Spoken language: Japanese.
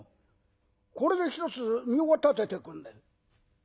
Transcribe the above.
これでひとつ身を立ててくんねえ。